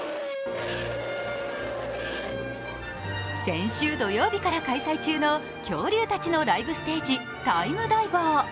先週土曜日から開催中の恐竜たちのライブステージ、「タイムダイバー」。